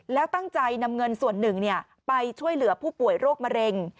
แล้วตั้งใจนำเงินส่วนหนึ่งไปช่วยเหลือผู้ป่วยโรคมะเร็ง